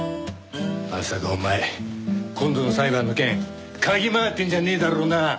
まさかお前今度の裁判の件嗅ぎ回ってるんじゃねえだろうな？